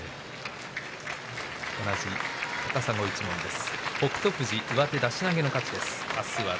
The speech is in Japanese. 同じ高砂一門です。